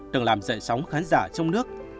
từng làm dậy sóng khán giả trong nước